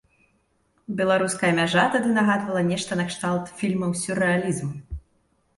Беларуская мяжа тады нагадвала нешта накшталт фільмаў сюррэалізму.